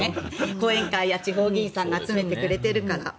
後援会や地方議員さんが集めてくれているから。